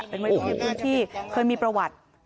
เป็นคนในพื้นที่เคยมีประวัติ